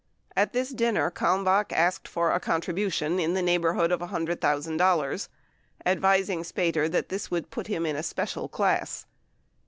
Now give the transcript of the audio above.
At this dinner Kalmbach asked for a contribution in the neighborhood of $100,000, advising Spater that this would put him in a "special class."